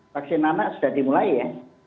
vaksin anak sudah dimulai ya